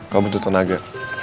kau butuh tenaga